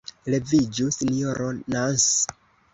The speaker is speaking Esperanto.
Leviĝu, Sinjoro Nans!